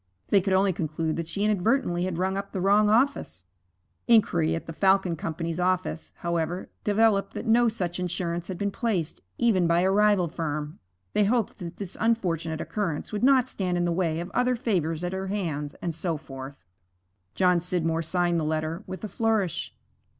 They could only conclude that she inadvertently had rung up the wrong office. Inquiry at the Falcon Company's office, however, developed that no such insurance had been placed, even by a rival firm. They hoped that this unfortunate occurrence would not stand in the way of other favors at her hands, and so forth. John Scidmore signed the letter with a flourish.